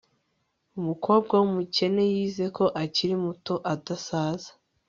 Umukobwa wumukene Yize ko akiri muto adasaza